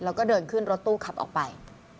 แล้วก็เดินขึ้นรถตู้ขับออกไป